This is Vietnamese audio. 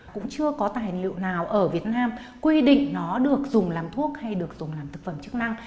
cũng chưa có tài liệu nào ở việt nam quy định nó được dùng làm thuốc hay được dùng làm thực phẩm chức năng